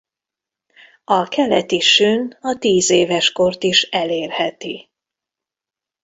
A keleti sün a tízéves kort is elérheti.